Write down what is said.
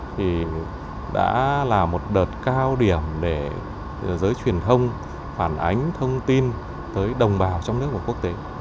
thì đã là một đợt cao điểm để giới truyền thông phản ánh thông tin tới đồng bào trong nước và quốc tế